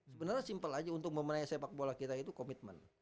sebenarnya simpel aja untuk memenangi sepak bola kita itu komitmen